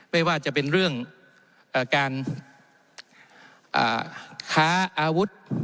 ไม่ว่าจะเป็นเรื่องการค้าอาวุธ